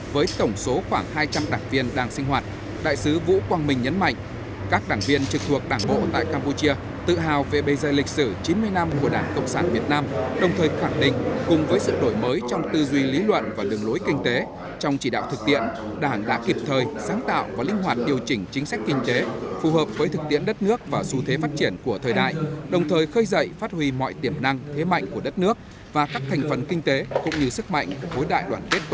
với tổng số khoảng hai trăm linh đảng viên đang sinh hoạt đại sứ vũ quang minh nhấn mạnh các đảng viên trực thuộc đảng bộ tại campuchia tự hào về bây giờ lịch sử chín mươi năm của đảng cộng sản việt nam đồng thời khẳng định cùng với sự đổi mới trong tư duy lý luận và đường lối kinh tế trong chỉ đạo thực tiễn đảng đã kịp thời sáng tạo và linh hoạt điều chỉnh chính sách kinh tế phù hợp với thực tiễn đất nước và xu thế phát triển của thời đại đồng thời khơi dậy phát huy mọi tiềm năng thế mạnh của đất nước và các thành phần kinh tế cũng như sức mạnh hối đại đo